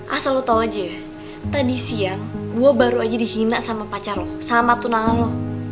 asal lo tau aja ya tadi siang gue baru aja dihina sama pacar lo sama tunangan lo